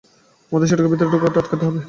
আমাদের সেটাকে ভেতরে ঢোকা থেকে আটকাতে হবে।